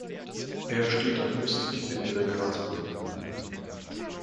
Er steht am östlichen Ende der Karlsbrücke.